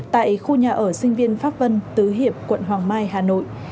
tại khu nhà ở sinh viên pháp vân tứ hiệp quận hoàng mai hà nội